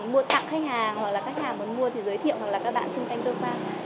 mua tặng khách hàng hoặc là khách hàng muốn mua thì giới thiệu hoặc là các bạn xung quanh cơ quan